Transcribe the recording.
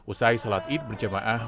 usai sholat id berjemaah